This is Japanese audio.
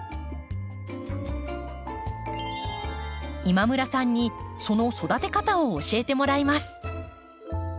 今村さんにその育て方を教えてもらいます。